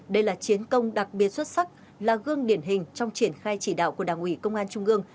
đây là chiến công đặc biệt xuất sắc là gương điển hình trong triển khai chỉ đạo của đảng ủy công an trung ương